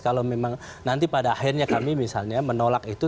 kalau memang nanti pada akhirnya kami misalnya menolak itu